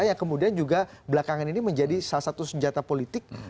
yang kemudian juga belakangan ini menjadi salah satu senjata politik